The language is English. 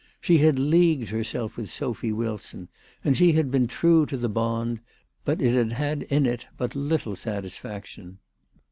She had leagued herself with Sophy "Wilson, and she had been true to the bond ; but it had had in it but little satisfaction.